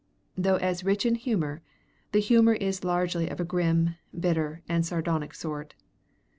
Though as rich in humor, the humor is largely of a grim, bitter, and sardonic sort.